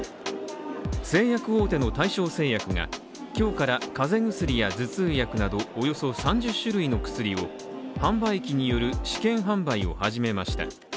製薬大手の大正製薬が今日から風邪薬や頭痛薬などおよそ３０種類の薬を販売機による試験販売を始めました。